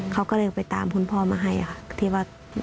เขาก็เลยไปตามคุณพ่อมาให้ค่ะที่ว่า